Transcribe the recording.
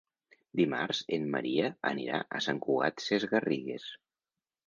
Dimarts en Maria anirà a Sant Cugat Sesgarrigues.